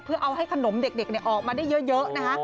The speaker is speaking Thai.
เพื่อเอาให้ขนมเด็กออกมาได้เยอะนะคะ